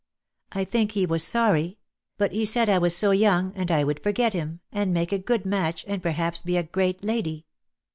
I think he was sorry — but he said I was so young, and I would forget him, and make a good match, and perhaps be a great lady."